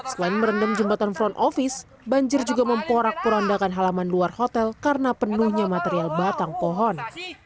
selain merendam jembatan front office banjir juga memporak porandakan halaman luar hotel karena penuhnya material batang pohon